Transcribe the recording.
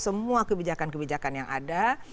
semua kebijakan kebijakan yang ada